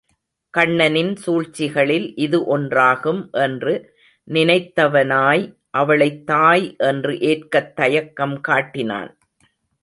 கண்ணனின் சூழ்ச்சிகளில் இது ஒன்றாகும் என்று நினைத் தவனாய் அவளைத் தாய் என்று ஏற்கத் தயக்கம் காட்டினான்.